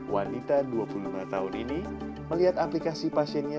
wanita dua puluh lima tahun ini melihat aplikasi pasiennya